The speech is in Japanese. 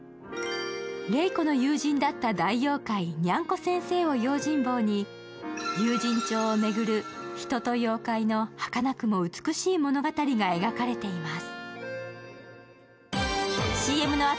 レイコの友人だった大妖怪、ニャンコ先生を用心棒に友人帳を巡る人と妖怪のはかなくも美しい物語が描かれています。